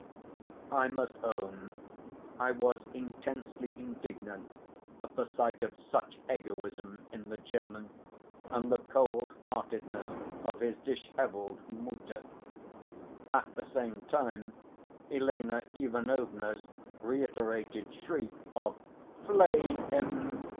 I must own I was intensely indignant at the sight of such egoism in the German and the cold heartedness of his dishevelled Mutter; at the same time Elena Ivanovna's reiterated shriek of "Flay him!